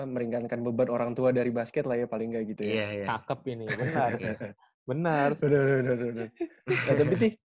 masih belum ada belum ada pemikiran lagi sih